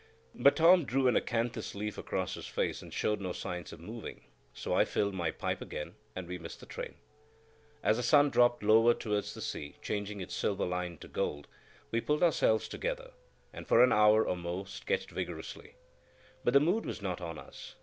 But Tom drew an acanthus leaf across his face and showed no signs of moving; so I filled my pipe again, and we missed the train. As the sun dropped lower towards the sea, changing its silver line to gold, we pulled ourselves together, and for an hour or more sketched vigorously; but the mood was not on us.